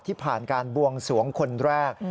ผ่านการบวงสวงคนแรก